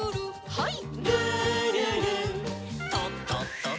はい。